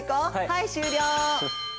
はい終了！